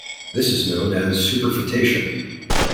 This is known as superfetation.